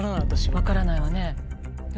分からないわね。